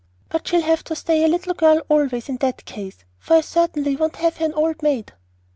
But she'll have to stay a little girl always in that case, for I certainly won't have her an old maid."